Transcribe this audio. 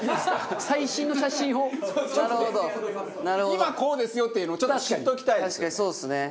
「今こうですよ！」っていうのをちょっと知っておきたいです。